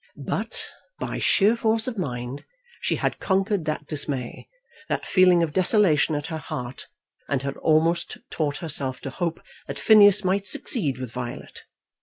But by sheer force of mind she had conquered that dismay, that feeling of desolation at her heart, and had almost taught herself to hope that Phineas might succeed with Violet.